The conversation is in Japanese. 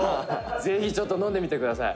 「ぜひ、ちょっと飲んでみてください」